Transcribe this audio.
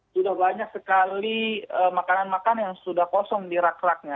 sudah banyak sekali makanan makanan yang sudah kosong di rak raknya